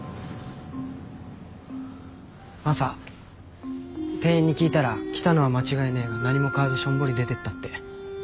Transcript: マサ店員に聞いたら来たのは間違いねえが何も買わずしょんぼり出てったって。